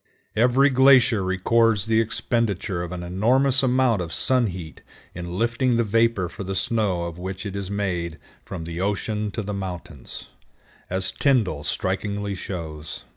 Every glacier records the expenditure of an enormous amount of sun heat in lifting the vapor for the snow of which it is made from the ocean to the mountains, as Tyndall strikingly shows.